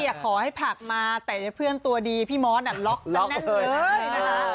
ก็ลับจากพี่ขอให้พักมาแต่เพื่อนตัวดีพี่ม้อน่ะล็อคจะนั่นเหมือนกันนะคะ